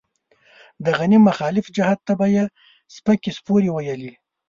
د غني مخالف جهت ته به يې سپکې سپورې ويلې.